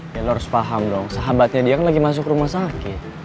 dia lo harus paham dong sahabatnya dia kan lagi masuk rumah sakit